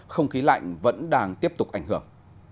không khí lạnh vẫn đang tiếp tục ảnh hưởng